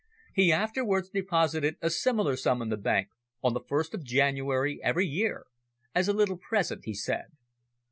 He afterwards deposited a similar sum in the bank, on the first of January every year as a little present, he said."